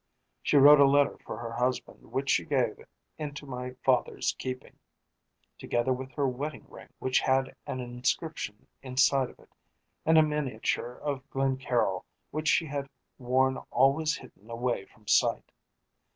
She wrote a letter for her husband which she gave into my father's keeping, together with her wedding ring, which had an inscription inside of it, and a miniature of Glencaryll which she had worn always hidden away from sight.